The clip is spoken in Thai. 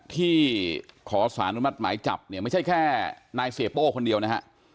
ที่ขอสารอนุมัติหมายจับเนี่ยไม่ใช่แค่นายเสียโป้คนเดียวนะฮะ